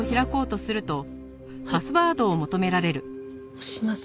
押します。